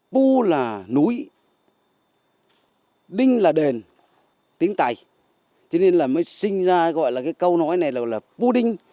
pu là núi đinh là đền tiếng tây cho nên mới sinh ra câu nói này là pu đinh